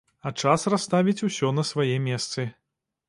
А час расставіць усё на свае месцы.